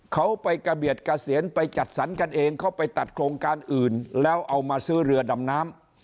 เขาไปกระเบียดเกษียณไปจัดสรรกันเองเขาไปตัดโครงการอื่นแล้วเอามาซื้อเรือดำน้ำ